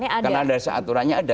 iya karena landasan aturan nya ada